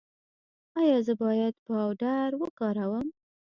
ایا زه باید پاوډر وکاروم؟